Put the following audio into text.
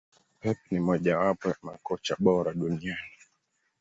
Pep ni moja wapo ya makocha bora duniani